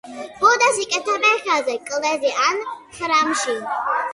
ბუდეს იკეთებენ ხეზე, კლდეზე ან ხრამში.